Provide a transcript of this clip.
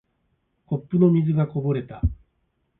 コップの水がこぼれた。